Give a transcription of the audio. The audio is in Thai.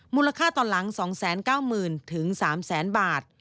มูลค่าตอนหลัง๒๙๐๐๐๐ถึง๓๐๐๐๐๐บาท